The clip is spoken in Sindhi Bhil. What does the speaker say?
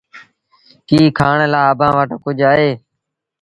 ڪيٚ کآڻ لآ اڀآنٚ وٽ ڪجھ اهي؟